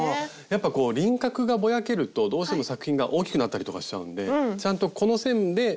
やっぱこう輪郭がぼやけるとどうしても作品が大きくなったりとかしちゃうんでちゃんとこの線でぴったりにするっていう。